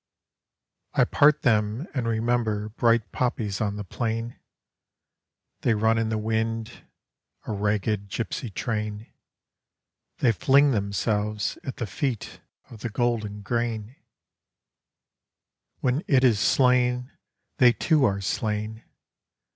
I part them and remember bright poppies on the plain. They run in the wind, a ragged gypsy train; They fling themselves at the feet of the golden grain—When it is slain they too are slain.